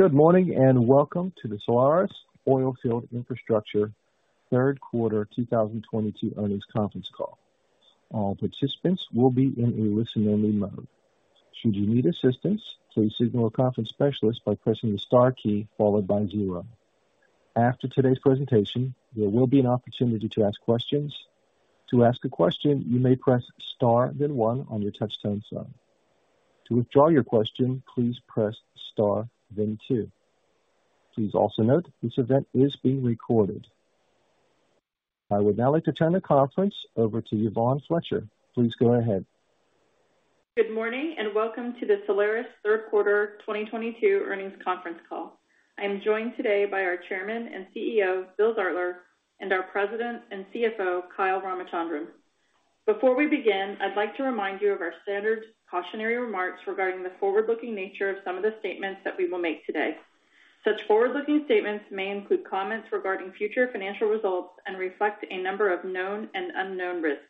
Good morning, and welcome to the Solaris Oilfield Infrastructure third quarter 2022 earnings conference call. All participants will be in a listen only mode. Should you need assistance, please signal a conference specialist by pressing the star key followed by zero. After today's presentation, there will be an opportunity to ask questions. To ask a question, you may press star then one on your touchtone phone. To withdraw your question, please press star then two. Please also note this event is being recorded. I would now like to turn the conference over to Yvonne Fletcher. Please go ahead. Good morning and welcome to the Solaris third quarter 2022 earnings conference call. I am joined today by our Chairman and CEO, William Zartler, and our President and CFO, Kyle Ramachandran. Before we begin, I'd like to remind you of our standard cautionary remarks regarding the forward-looking nature of some of the statements that we will make today. Such forward-looking statements may include comments regarding future financial results and reflect a number of known and unknown risks.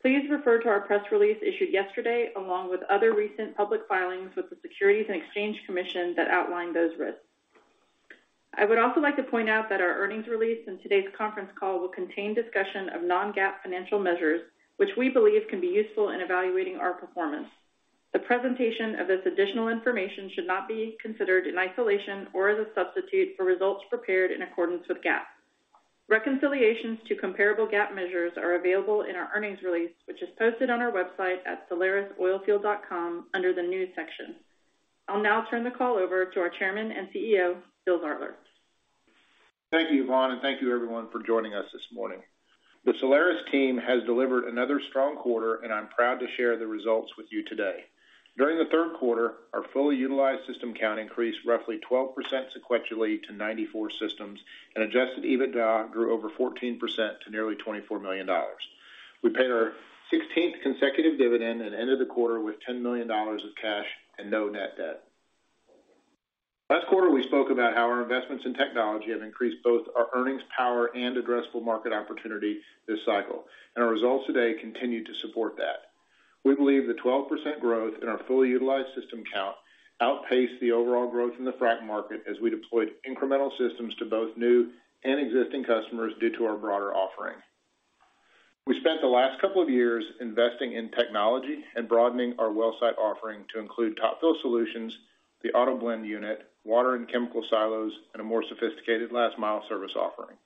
Please refer to our press release issued yesterday, along with other recent public filings with the Securities and Exchange Commission that outline those risks. I would also like to point out that our earnings release and today's conference call will contain discussion of non-GAAP financial measures, which we believe can be useful in evaluating our performance. The presentation of this additional information should not be considered in isolation or as a substitute for results prepared in accordance with GAAP. Reconciliations to comparable GAAP measures are available in our earnings release, which is posted on our website at solarisoilfield.com under the News section. I'll now turn the call over to our Chairman and CEO, William Zartler. Thank you, Yvonne, and thank you everyone for joining us this morning. The Solaris team has delivered another strong quarter, and I'm proud to share the results with you today. During the third quarter, our fully utilized system count increased roughly 12% sequentially to 94 systems, and adjusted EBITDA grew over 14% to nearly $24 million. We paid our sixteenth consecutive dividend and ended the quarter with $10 million of cash and no net debt. Last quarter, we spoke about how our investments in technology have increased both our earnings power and addressable market opportunity this cycle, and our results today continue to support that. We believe the 12% growth in our fully utilized system count outpaced the overall growth in the frac market as we deployed incremental systems to both new and existing customers due to our broader offering. We spent the last couple of years investing in technology and broadening our wellsite offering to include Top Fill solutions, the AutoBlend unit, water and chemical silos, and a more sophisticated last mile service offering.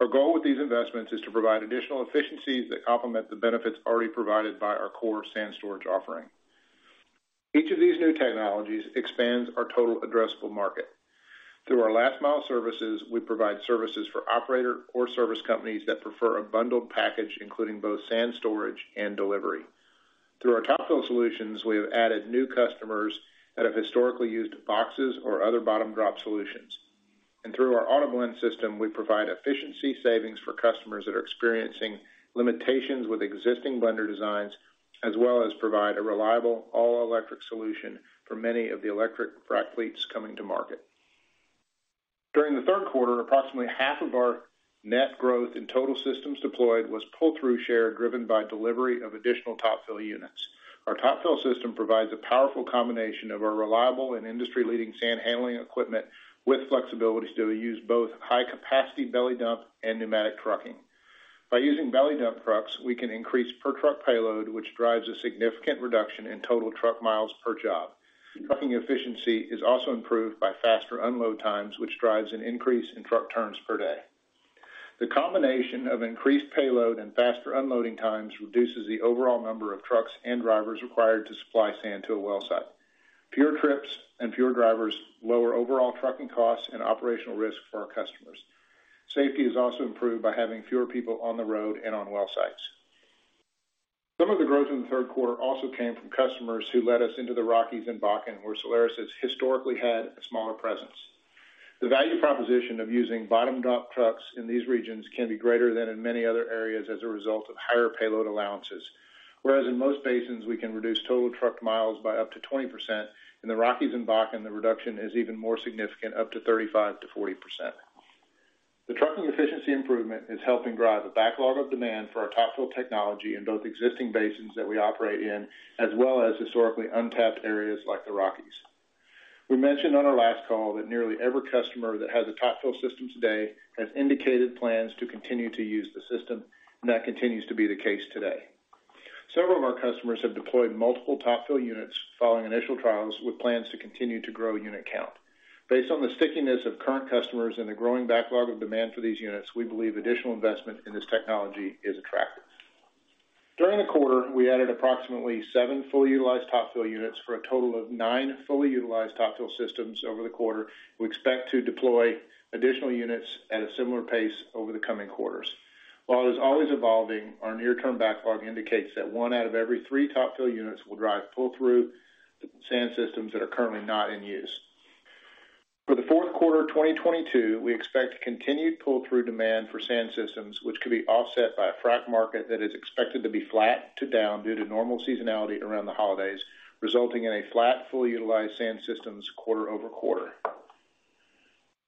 Our goal with these investments is to provide additional efficiencies that complement the benefits already provided by our core sand storage offering. Each of these new technologies expands our total addressable market. Through our last mile services, we provide services for operators and service companies that prefer a bundled package, including both sand storage and delivery. Through our Top Fill solutions, we have added new customers that have historically used boxes or other belly dump solutions. Through our AutoBlend system, we provide efficiency savings for customers that are experiencing limitations with existing blender designs, as well as provide a reliable all-electric solution for many of the electric frac fleets coming to market. During the third quarter, approximately half of our net growth in total systems deployed was pull-through share driven by delivery of additional Top Fill units. Our Top Fill system provides a powerful combination of our reliable and industry-leading sand handling equipment with flexibility to use both high capacity belly dump and pneumatic trucking. By using belly dump trucks, we can increase per truck payload, which drives a significant reduction in total truck miles per job. Trucking efficiency is also improved by faster unload times, which drives an increase in truck turns per day. The combination of increased payload and faster unloading times reduces the overall number of trucks and drivers required to supply sand to a well site. Fewer trips and fewer drivers lower overall trucking costs and operational risk for our customers. Safety is also improved by having fewer people on the road and on well sites. Some of the growth in the third quarter also came from customers who led us into the Rockies and Bakken, where Solaris has historically had a smaller presence. The value proposition of using belly dump trucks in these regions can be greater than in many other areas as a result of higher payload allowances. Whereas in most basins, we can reduce total truck miles by up to 20%. In the Rockies and Bakken, the reduction is even more significant, up to 35%-40%. The trucking efficiency improvement is helping drive a backlog of demand for our Top Fill technology in both existing basins that we operate in, as well as historically untapped areas like the Rockies. We mentioned on our last call that nearly every customer that has a Top Fill system today has indicated plans to continue to use the system, and that continues to be the case today. Several of our customers have deployed multiple Top Fill units following initial trials with plans to continue to grow unit count. Based on the stickiness of current customers and the growing backlog of demand for these units, we believe additional investment in this technology is attractive. During the quarter, we added approximately seven fully utilized Top Fill units for a total of nine fully utilized Top Fill systems over the quarter. We expect to deploy additional units at a similar pace over the coming quarters. While it is always evolving, our near-term backlog indicates that one out of every three Top Fill units will drive pull-through sand systems that are currently not in use. For the fourth quarter of 2022, we expect continued pull-through demand for sand systems, which could be offset by a frac market that is expected to be flat to down due to normal seasonality around the holidays, resulting in a flat fully utilized sand systems quarter over quarter.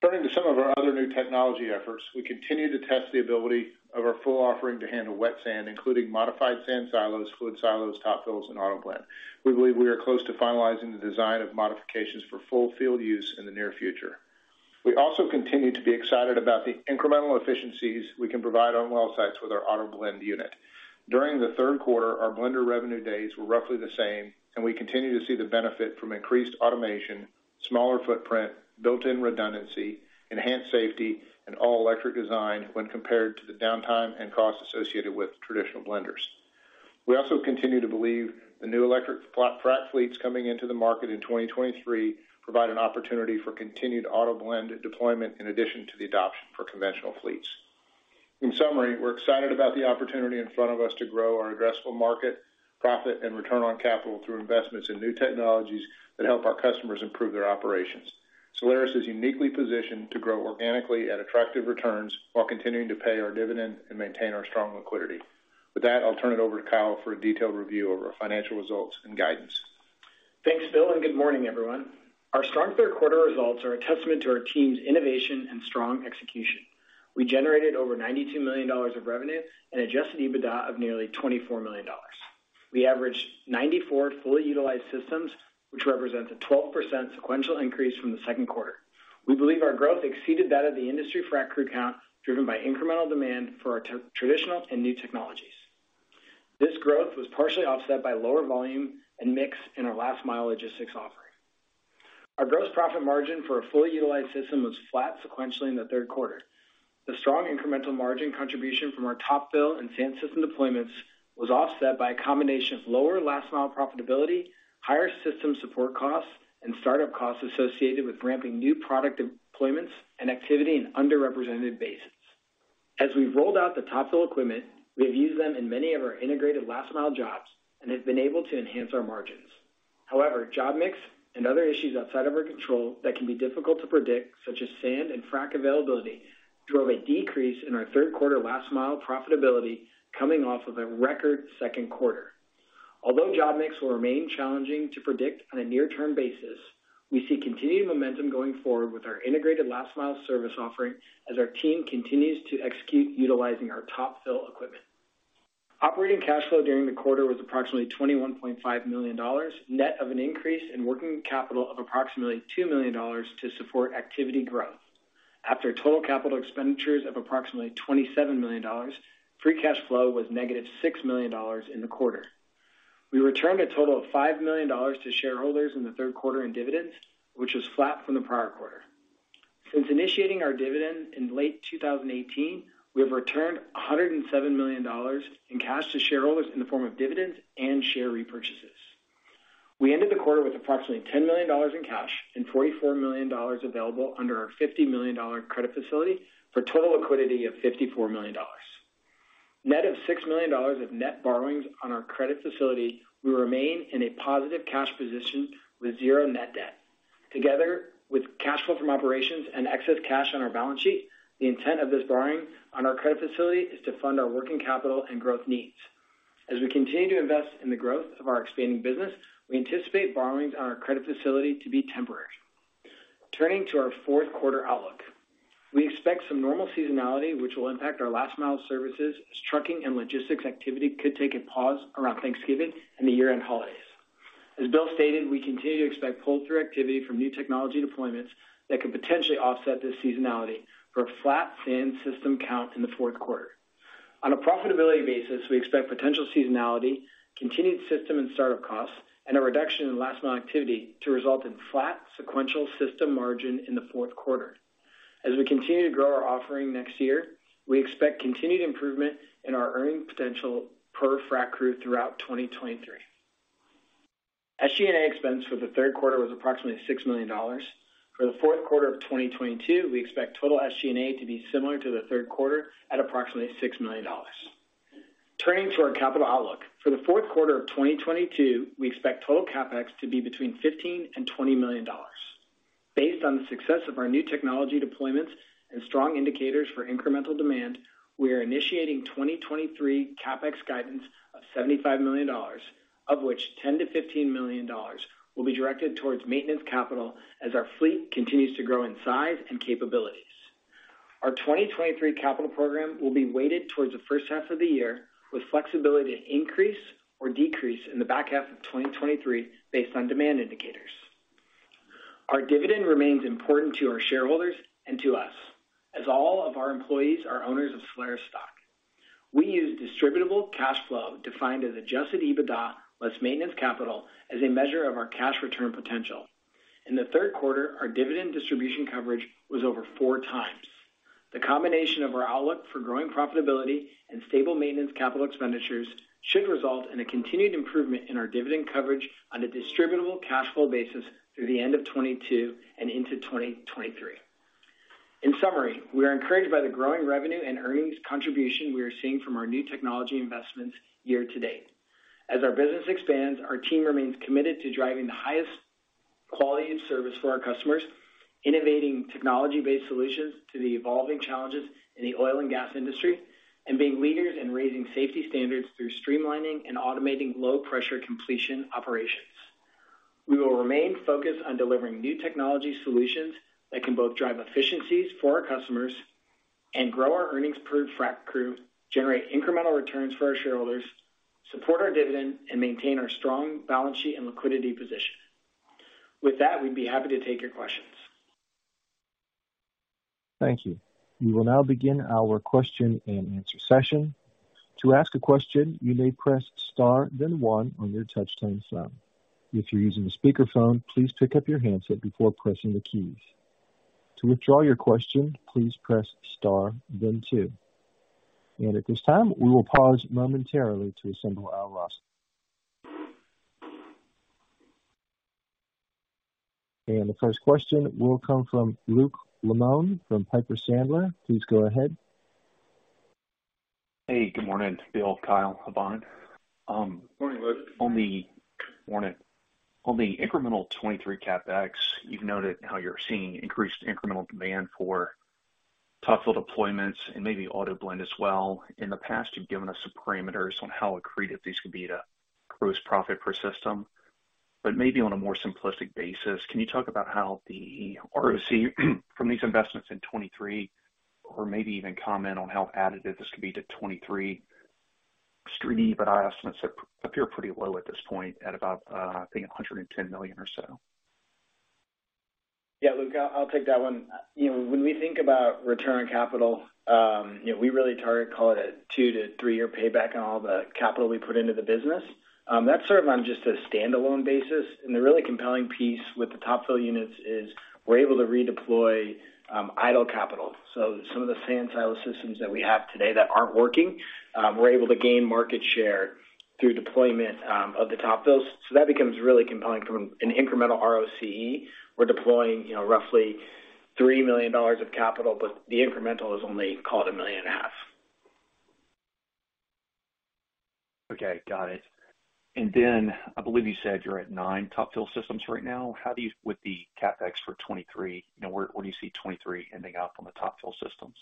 Turning to some of our other new technology efforts, we continue to test the ability of our full offering to handle wet sand, including modified sand silos, fluid silos, Top Fills, and AutoBlend. We believe we are close to finalizing the design of modifications for full field use in the near future. We continue to be excited about the incremental efficiencies we can provide on well sites with our AutoBlend unit. During the third quarter, our blender revenue days were roughly the same, and we continue to see the benefit from increased automation, smaller footprint, built-in redundancy, enhanced safety, and all-electric design when compared to the downtime and cost associated with traditional blenders. We also continue to believe the new electric frac fleets coming into the market in 2023 provide an opportunity for continued AutoBlend deployment in addition to the adoption for conventional fleets. In summary, we're excited about the opportunity in front of us to grow our addressable market, profit and return on capital through investments in new technologies that help our customers improve their operations. Solaris is uniquely positioned to grow organically at attractive returns while continuing to pay our dividend and maintain our strong liquidity. With that, I'll turn it over to Kyle for a detailed review of our financial results and guidance. Thanks, William, and good morning, everyone. Our strong third quarter results are a testament to our team's innovation and strong execution. We generated over $92 million of revenue and Adjusted EBITDA of nearly $24 million. We averaged 94 fully utilized systems, which represents a 12% sequential increase from the second quarter. We believe our growth exceeded that of the industry frac crew count, driven by incremental demand for our traditional and new technologies. This growth was partially offset by lower volume and mix in our last mile logistics offering. Our gross profit margin for a fully utilized system was flat sequentially in the third quarter. The strong incremental margin contribution from our Top Fill and sand system deployments was offset by a combination of lower last mile profitability, higher system support costs, and start-up costs associated with ramping new product deployments and activity in underrepresented basins. As we've rolled out the Top Fill equipment, we have used them in many of our integrated last mile jobs and have been able to enhance our margins. However, job mix and other issues outside of our control that can be difficult to predict, such as sand and frac availability, drove a decrease in our third quarter last mile profitability coming off of a record second quarter. Although job mix will remain challenging to predict on a near term basis, we see continued momentum going forward with our integrated last mile service offering as our team continues to execute utilizing our Top Fill equipment. Operating cash flow during the quarter was approximately $21.5 million, net of an increase in working capital of approximately $2 million to support activity growth. After total capital expenditures of approximately $27 million, free cash flow was -$6 million in the quarter. We returned a total of $5 million to shareholders in the third quarter in dividends, which was flat from the prior quarter. Since initiating our dividend in late 2018, we have returned $107 million in cash to shareholders in the form of dividends and share repurchases. We ended the quarter with approximately $10 million in cash and $44 million available under our $50 million credit facility for total liquidity of $54 million. Net of $6 million of net borrowings on our credit facility, we remain in a positive cash position with zero net debt. Together with cash flow from operations and excess cash on our balance sheet, the intent of this borrowing on our credit facility is to fund our working capital and growth needs. As we continue to invest in the growth of our expanding business, we anticipate borrowings on our credit facility to be temporary. Turning to our fourth quarter outlook. We expect some normal seasonality, which will impact our last mile services as trucking and logistics activity could take a pause around Thanksgiving and the year-end holidays. As William stated, we continue to expect pull-through activity from new technology deployments that could potentially offset this seasonality for a flat sand system count in the fourth quarter. On a profitability basis, we expect potential seasonality, continued system and start-up costs, and a reduction in last mile activity to result in flat sequential system margin in the fourth quarter. As we continue to grow our offering next year, we expect continued improvement in our earning potential per frac crew throughout 2023. SG&A expense for the third quarter was approximately $6 million. For the fourth quarter of 2022, we expect total SG&A to be similar to the third quarter at approximately $6 million. Turning to our capital outlook. For the fourth quarter of 2022, we expect total CapEx to be between $15 million and $20 million. Based on the success of our new technology deployments and strong indicators for incremental demand, we are initiating 2023 CapEx guidance of $75 million, of which $10 million to $15 million will be directed towards maintenance capital as our fleet continues to grow in size and capabilities. Our 2023 capital program will be weighted towards the first half of the year, with flexibility to increase or decrease in the back half of 2023 based on demand indicators. Our dividend remains important to our shareholders and to us as all of our employees are owners of Solaris stock. We use distributable cash flow defined as Adjusted EBITDA less maintenance capital as a measure of our cash return potential. In the third quarter, our dividend distribution coverage was over 4x. The combination of our outlook for growing profitability and stable maintenance capital expenditures should result in a continued improvement in our dividend coverage on a distributable cash flow basis through the end of 2022 and into 2023. In summary, we are encouraged by the growing revenue and earnings contribution we are seeing from our new technology investments year to date. As our business expands, our team remains committed to driving the highest quality of service for our customers, innovating technology-based solutions to the evolving challenges in the oil and gas industry, and being leaders in raising safety standards through streamlining and automating low pressure completion operations. We will remain focused on delivering new technology solutions that can both drive efficiencies for our customers and grow our earnings per frac crew, generate incremental returns for our shareholders, support our dividend, and maintain our strong balance sheet and liquidity position. With that, we'd be happy to take your questions. Thank you. We will now begin our question-and-answer session. To ask a question, you may press Star, then one on your touchtone phone. If you're using a speakerphone, please pick up your handset before pressing the keys. To withdraw your question, please press star then two. At this time, we will pause momentarily to assemble our roster. The first question will come from Luke Lemoine from Piper Sandler. Please go ahead. Hey, good morning to William, Kyle, Yvonne. Morning, Luke. On the incremental 2023 CapEx, you've noted how you're seeing increased incremental demand for Top Fill deployments and maybe AutoBlend as well. In the past, you've given us some parameters on how accretive these could be to gross profit per system. Maybe on a more simplistic basis, can you talk about how the ROC from these investments in 2023 or maybe even comment on how additive this could be to 2023 Street, but our estimates appear pretty low at this point at about, I think $110 million or so. Yeah, Luke, I'll take that one. You know, when we think about return on capital, you know, we really target call it a two- to three-year payback on all the capital we put into the business. That's sort of on just a standalone basis. The really compelling piece with the Top Fill units is we're able to redeploy idle capital. Some of the sand silo systems that we have today that aren't working, we're able to gain market share through deployment of the Top Fills. That becomes really compelling from an incremental ROCE. We're deploying, you know, roughly $3 million of capital, but the incremental is only, call it $1.5 million. Okay. Got it. I believe you said you're at nine Top Fill systems right now. With the CapEx for 2023, you know, where do you see 2023 ending up on the Top Fill systems?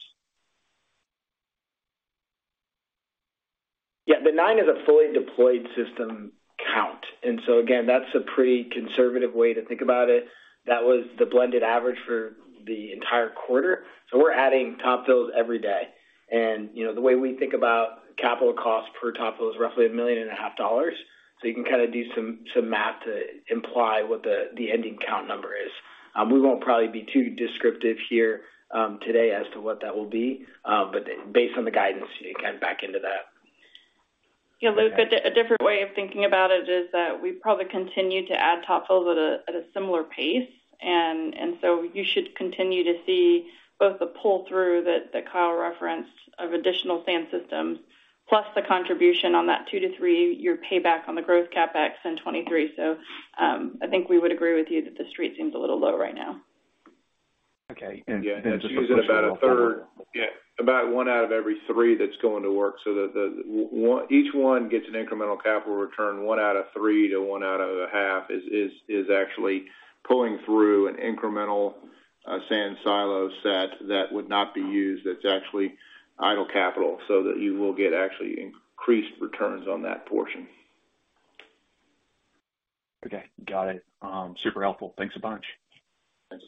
Yeah. The nine is a fully deployed system count. Again, that's a pretty conservative way to think about it. That was the blended average for the entire quarter. We're adding Top Fills every day. You know, the way we think about capital costs per Top Fill is roughly $1.5 million. You can kind of do some math to imply what the ending count number is. We won't probably be too descriptive here today as to what that will be. But based on the guidance, you can back into that. Yeah, Luke, a different way of thinking about it is that we probably continue to add Top Fill at a similar pace. You should continue to see both the pull through that Kyle referenced of additional sand systems, plus the contribution on that two- to three-year payback on the growth CapEx in 2023. I think we would agree with you that the Street seems a little low right now. Okay. Yeah. It's using about 1/3. Yeah, about one out of every three that's going to work. Each one gets an incremental capital return. One out of three to one out of a half is actually pulling through an incremental sand silo set that would not be used. It's actually idle capital so that you will get actually increased returns on that portion. Okay. Got it. Super helpful. Thanks a bunch. Thanks,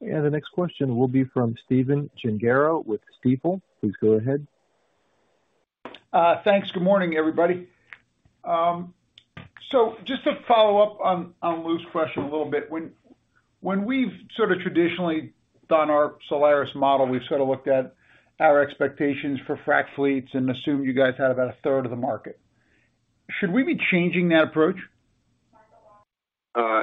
Luke. The next question will be from Stephen Gengaro with Stifel. Please go ahead. Thanks. Good morning, everybody. Just to follow up on Luke's question a little bit. When we've sort of traditionally done our Solaris model, we've sort of looked at our expectations for frac fleets and assumed you guys had about a third of the market. Should we be changing that approach?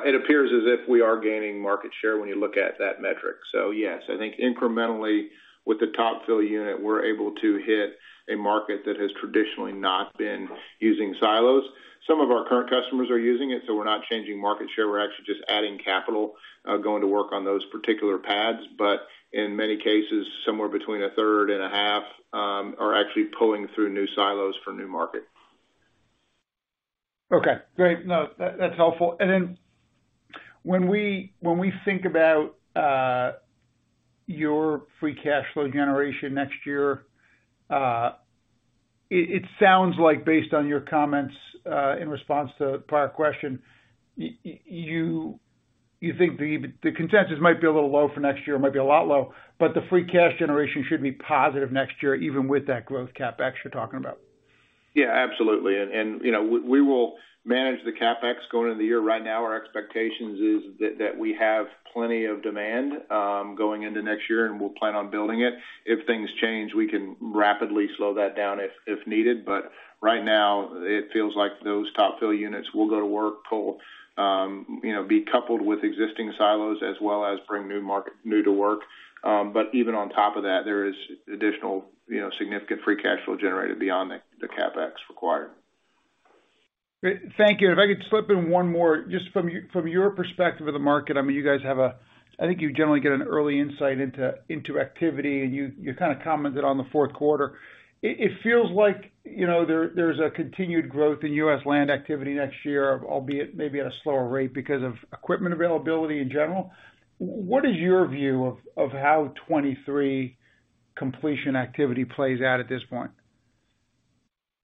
It appears as if we are gaining market share when you look at that metric. Yes, I think incrementally with the Top Fill unit, we're able to hit a market that has traditionally not been using silos. Some of our current customers are using it, so we're not changing market share. We're actually just adding capital, going to work on those particular pads. In many cases, somewhere between 1/3 and 1/2 are actually pulling through new silos for new market. Okay. Great. No, that's helpful. When we think about your free cash flow generation next year, it sounds like based on your comments in response to a prior question, you think the consensus might be a little low for next year, might be a lot low, but the free cash generation should be positive next year, even with that growth CapEx you're talking about. Yeah, absolutely. You know, we will manage the CapEx going into the year. Right now, our expectations is that we have plenty of demand going into next year, and we'll plan on building it. If things change, we can rapidly slow that down if needed. It feels like those Top Fill units will go to work, be coupled with existing silos as well as bring new markets to work. Even on top of that, there is additional, you know, significant free cash flow generated beyond the CapEx required. Great. Thank you. If I could slip in one more, just from your perspective of the market, I mean, you guys have a I think you generally get an early insight into activity, and you kind of commented on the fourth quarter. It feels like, you know, there's a continued growth in U.S. land activity next year, albeit maybe at a slower rate because of equipment availability in general. What is your view of how 2023 completion activity plays out at this point?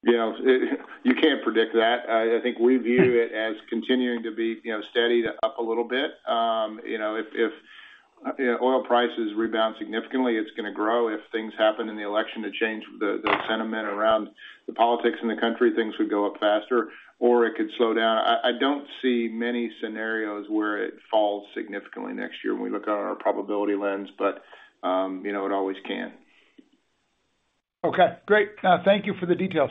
Yeah, you can't predict that. I think we view it as continuing to be, you know, steady to up a little bit. You know, if oil prices rebound significantly, it's gonna grow. If things happen in the election to change the sentiment around the politics in the country, things would go up faster or it could slow down. I don't see many scenarios where it falls significantly next year when we look at our probability lens. You know, it always can. Okay, great. Thank you for the details.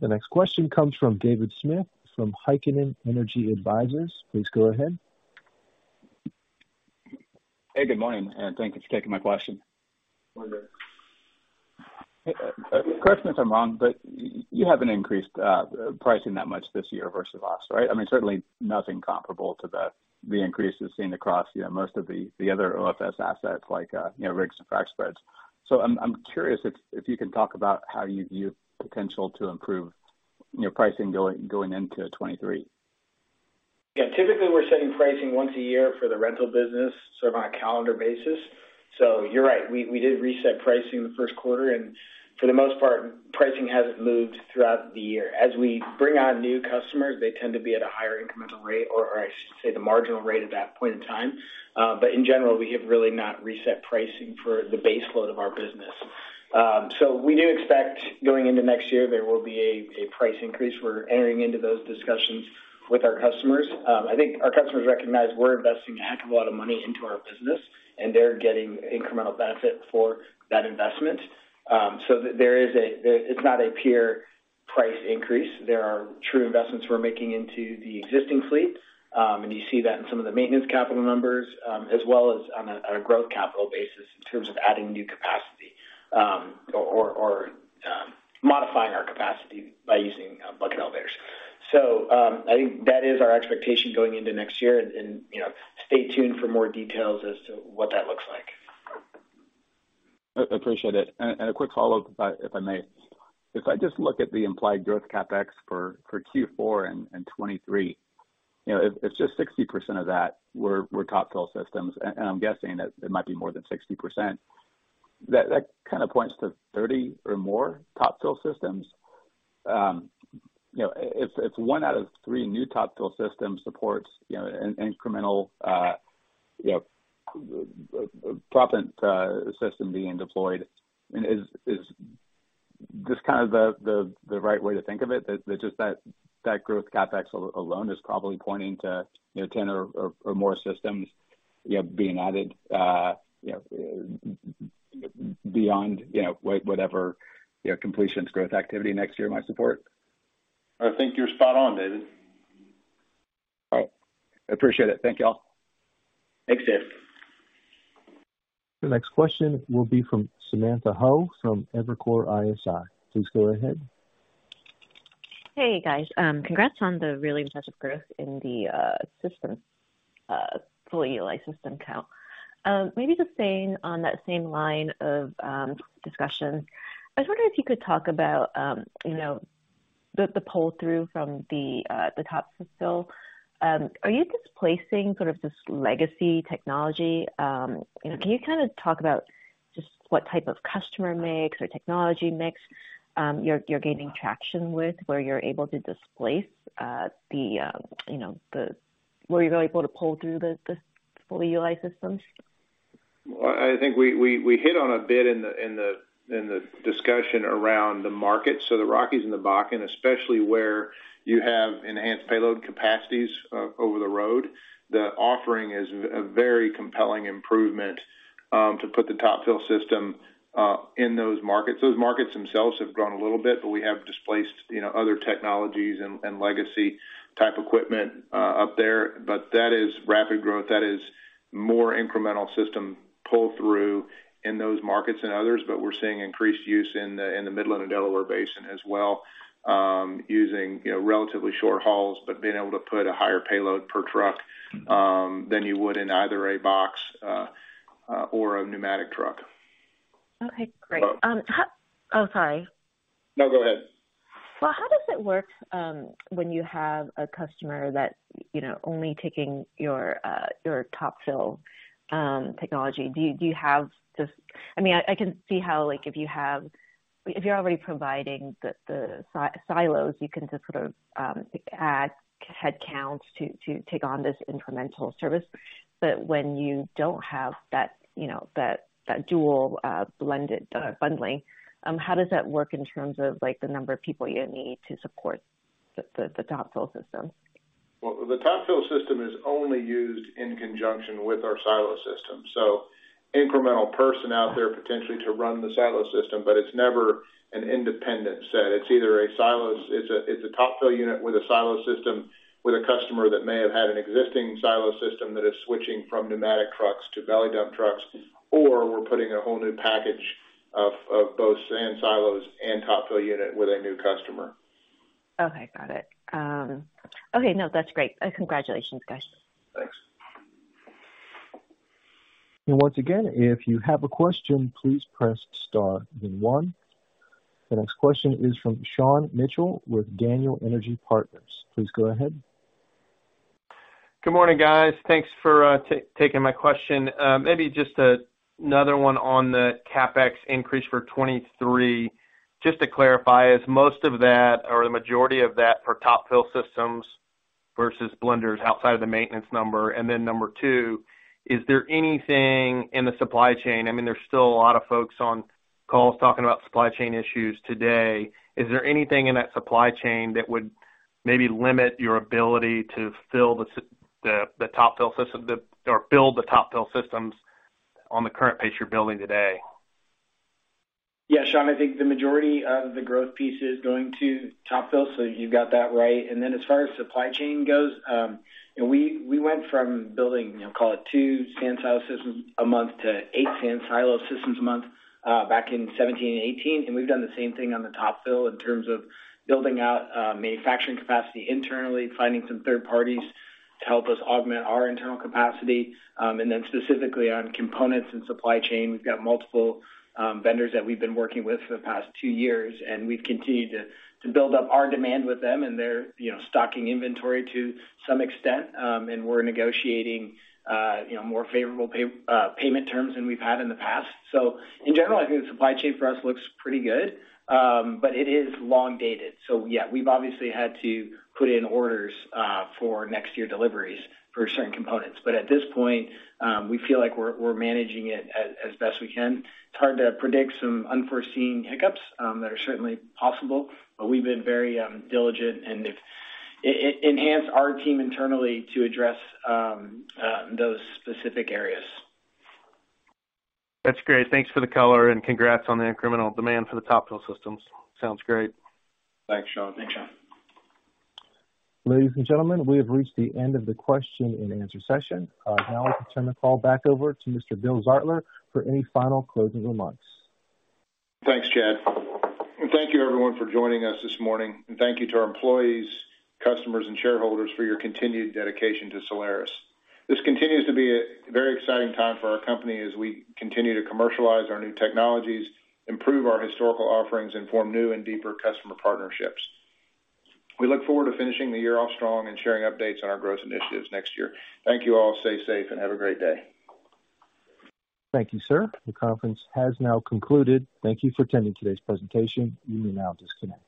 The next question comes from David Smith from Heikkinen Energy Advisors. Please go ahead. Hey, good morning, and thank you for taking my question. Morning, David. Correct me if I'm wrong, but you haven't increased pricing that much this year versus last, right? I mean, certainly nothing comparable to the increases seen across, you know, most of the other OFS assets like you know, rigs and frac spreads. I'm curious if you can talk about how you view potential to improve your pricing going into 2023. Yeah, typically, we're setting pricing once a year for the rental business, sort of on a calendar basis. You're right, we did reset pricing the first quarter, and for the most part, pricing hasn't moved throughout the year. As we bring on new customers, they tend to be at a higher incremental rate or I should say the marginal rate at that point in time. In general, we have really not reset pricing for the base load of our business. We do expect going into next year there will be a price increase. We're entering into those discussions with our customers. I think our customers recognize we're investing a heck of a lot of money into our business, and they're getting incremental benefit for that investment. It's not a pure price increase. There are true investments we're making into the existing fleet, and you see that in some of the maintenance capital numbers, as well as on a growth capital basis in terms of adding new capacity, or modifying our capacity by using bucket elevators. I think that is our expectation going into next year and, you know, stay tuned for more details as to what that looks like. I appreciate it. A quick follow-up if I may. If I just look at the implied growth CapEx for Q4 and 2023, you know, if just 60% of that were Top Fill systems, and I'm guessing that it might be more than 60%, that kind of points to 30 or more Top Fill systems. You know, if 1/3 of new Top Fill systems supports, you know, an incremental proppant system being deployed, I mean, is this kind of the right way to think of it? That growth CapEx alone is probably pointing to, you know, 10 or more systems, you know, being added, you know, beyond whatever completions growth activity next year might support? I think you're spot on, David. All right. I appreciate it. Thank y'all. Thanks, David. The next question will be from Samantha Hoh from Evercore ISI. Please go ahead. Hey, guys. Congrats on the really impressive growth in the systems fully utilized system count. Maybe just staying on that same line of discussion. I was wondering if you could talk about, you know, the pull through from the Top Fill system. Are you displacing sort of this legacy technology? You know, can you kind of talk about just what type of customer mix or technology mix you're gaining traction with, where you're able to pull through the fully utilized systems? Well, I think we hit on a bit in the discussion around the market. The Rockies and the Bakken, especially where you have enhanced payload capacities over the road, the offering is a very compelling improvement to put the Top Fill system in those markets. Those markets themselves have grown a little bit, but we have displaced, you know, other technologies and legacy type equipment up there. That is rapid growth. That is more incremental system pull through in those markets than others. We're seeing increased use in the Midland and Delaware Basin as well, using, you know, relatively short hauls, but being able to put a higher payload per truck than you would in either a box or a pneumatic truck. Okay, great. Oh, sorry. No, go ahead. How does it work, when you have a customer that's, you know, only taking your Top Fill technology? Do you have just I mean, I can see how, like, if you're already providing the silos, you can just sort of add headcount to take on this incremental service. But when you don't have that, you know, that dual blended bundling, how does that work in terms of, like, the number of people you need to support the Top Fill system? Well, the Top Fill system is only used in conjunction with our silo system, so incremental personnel out there potentially to run the silo system, but it's never an independent set. It's a Top Fill unit with a silo system with a customer that may have had an existing silo system that is switching from pneumatic trucks to belly dump trucks, or we're putting a whole new package of both sand silos and Top Fill unit with a new customer. Okay, got it. Okay, no, that's great. Congratulations, guys. Thanks. Once again, if you have a question, please press star then one. The next question is from Sean Mitchell with Daniel Energy Partners. Please go ahead. Good morning, guys. Thanks for taking my question. Maybe just another one on the CapEx increase for 2023. Just to clarify, is most of that or the majority of that for Top Fill systems versus blenders outside of the maintenance number? Number two, is there anything in the supply chain? I mean, there's still a lot of folks on calls talking about supply chain issues today. Is there anything in that supply chain that would maybe limit your ability to fill the Top Fill system or build the Top Fill systems on the current pace you're building today? Yeah, Sean, I think the majority of the growth piece is going to Top Fill, so you've got that right. Then as far as supply chain goes, you know, we went from building, you know, call it two sand silo systems a month to eight sand silo systems a month back in 2017 and 2018. We've done the same thing on the Top Fill in terms of building out manufacturing capacity internally, finding some third parties to help us augment our internal capacity. Then specifically on components and supply chain, we've got multiple vendors that we've been working with for the past two years, and we've continued to build up our demand with them and their, you know, stocking inventory to some extent. We're negotiating, you know, more favorable pay, payment terms than we've had in the past. In general, I think the supply chain for us looks pretty good, but it is long dated. Yeah, we've obviously had to put in orders, for next year deliveries for certain components. But at this point, we feel like we're managing it as best we can. It's hard to predict some unforeseen hiccups, that are certainly possible, but we've been very, diligent and have enhanced our team internally to address, those specific areas. That's great. Thanks for the color and congrats on the incremental demand for the Top Fill systems. Sounds great. Thanks, Sean. Thanks, Sean. Ladies and gentlemen, we have reached the end of the question and answer session. Now I'll turn the call back over to Mr. William Zartler for any final closing remarks. Thanks, Chad. Thank you everyone for joining us this morning. Thank you to our employees, customers and shareholders for your continued dedication to Solaris. This continues to be a very exciting time for our company as we continue to commercialize our new technologies, improve our historical offerings and form new and deeper customer partnerships. We look forward to finishing the year off strong and sharing updates on our growth initiatives next year. Thank you all. Stay safe and have a great day. Thank you, sir. The conference has now concluded. Thank you for attending today's presentation. You may now disconnect.